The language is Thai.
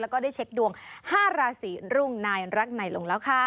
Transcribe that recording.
แล้วก็ได้เช็คดวง๕ราศีรุ่งนายรักไหนลงแล้วค่ะ